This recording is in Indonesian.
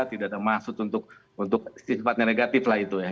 tidak ada maksud untuk sifatnya negatif lah itu ya